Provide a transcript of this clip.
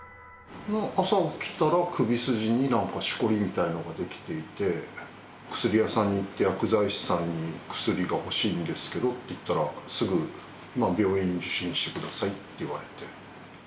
朝起きたら、首筋になんかしこりみたいなのが出来ていて、薬屋さんに行って、薬剤師さんに薬が欲しいんですけれどもと言ったら、すぐ、まあ、病院受診してくださいって言われて。